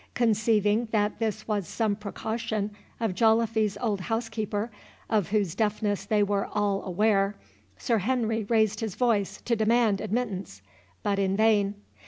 Conceiving that this was some precaution of Joliffe's old housekeeper, of whose deafness they were all aware, Sir Henry raised his voice to demand admittance, but in vain.